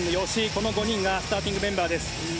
この５人がスターティングメンバーです。